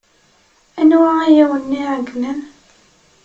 Anwa ay awen-iɛeyynen?